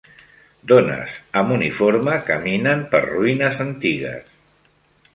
Dones amb uniforme caminen per ruïnes antigues.